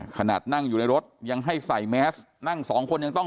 ขนาดนั่งอยู่ในรถยังให้ใส่แมสนั่งสองคนยังต้อง